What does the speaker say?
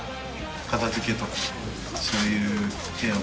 片づけとか、そういう部屋を